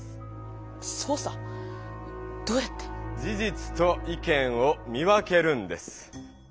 捜査⁉どうやって？事じつと意見を見分けるんです。